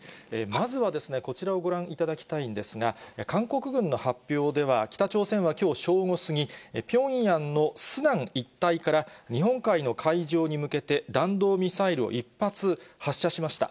まずはこちらをご覧いただきたいんですが、韓国軍の発表では、北朝鮮はきょう正午過ぎ、ピョンヤンのスナン一帯から、日本海の海上に向けて、弾道ミサイルを１発発射しました。